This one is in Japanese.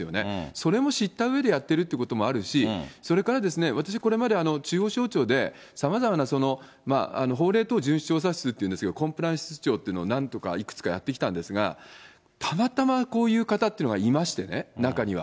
それも知ったうえでやってるってこともあるし、それから私これまで、中央省庁で、さまざまな法令等順守調査室っていうんですけど、コンプライアンス室長っていうのを何度か、いくつかやってきたんですけれども、たまたまこういう方っていうのがいましてね、中には。